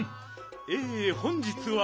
え本日は。